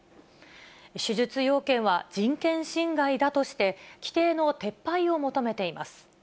手術要件は人権侵害だとして、規定の撤廃を求めています。